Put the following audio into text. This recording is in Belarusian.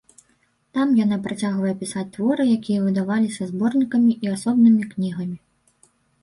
Там яна працягвае пісаць творы, якія выдаваліся зборнікамі і асобнымі кнігамі.